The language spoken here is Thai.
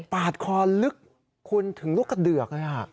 ปาดคอลึกคุณถึงลูกกระเดือกเลย